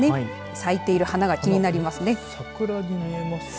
咲いている花が気になりますね。